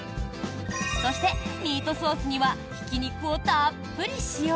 そして、ミートソースにはひき肉をたっぷり使用！